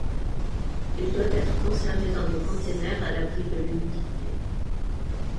Il doit être conservé dans des containers à l’abri de l'humidité.